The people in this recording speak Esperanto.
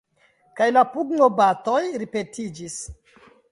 Kaj la pugnobatoj ripetiĝis.